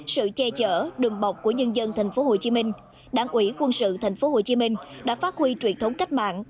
sự che chở đường bọc của nhân dân tp hcm đảng ủy quân sự tp hcm đã phát huy truyền thống cách mạng